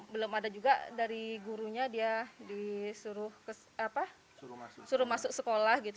belum ada juga dari gurunya dia disuruh masuk sekolah gitu